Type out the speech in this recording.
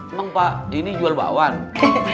emang pak ini jual pak wadi